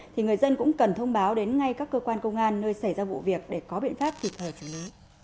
thì người dân cũng cần thông báo đến ngay các cơ quan công an nơi xảy ra vụ việc để có biện pháp kịp thời xử lý